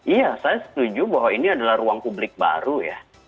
iya saya setuju bahwa ini adalah ruang publik baru ya